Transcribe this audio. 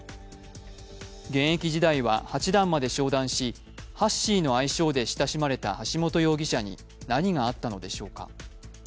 現役時代は八段まで昇段しハッシーの愛称で親しまれた橋本容疑者に何があったのでしょうか。